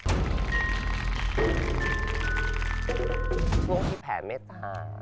ทุกคนที่แผลไม่ตา